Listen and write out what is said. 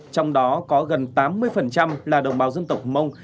trong đó có gần tám mươi là đồng bào dân tộc mông